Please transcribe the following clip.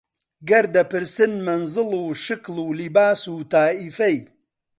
گەر دەپرسن مەنزڵ و شکڵ و لیباس و تائیفەی